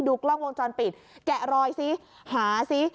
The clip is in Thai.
กล้องวงจรปิดแกะรอยสิหาซิ